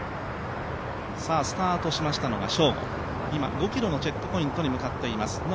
スタートしましたのが正午今、５ｋｍのチェックポイントに向かっています。